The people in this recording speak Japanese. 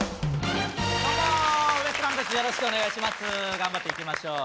頑張っていきましょう。